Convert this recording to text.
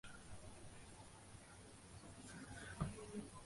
তিনি এই নামেই পরিচিত হন।